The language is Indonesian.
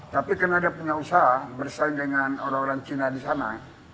tapi karena dia punya usaha bersaing dengan orang orang cina di sana